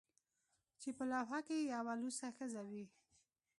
چې په لوحه کې یې یوه لوڅه ښځه وي